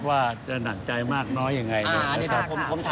ว่าจะหนังใจมากน้อยอย่างไรเลยนะครับ